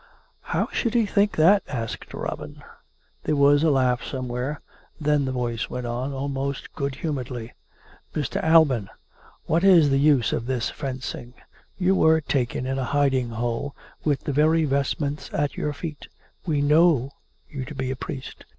" How should he think that? " asked Robin. There was a laugh somewhere. Then the voice went on, almost good humouredly. " Mr. Alban; what is the use of this fencing? You were taken in a hiding hole with the very vestments at your feet. We know you to be a priest.